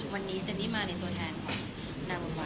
วันนี้เจนนี่มาในตัวแทนของนางวัน